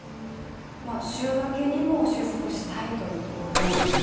週明けにも収束したいというところですね。